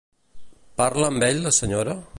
Parla amb ell la senyora?